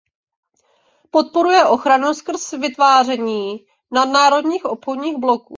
Podporuje ochranu skrz vytváření nadnárodních obchodních bloků.